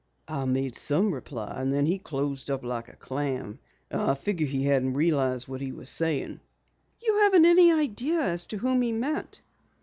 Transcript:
"I made some reply, and then he closed up like a clam. I figure he hadn't realized what he was saying." "You haven't any idea as to whom he meant?"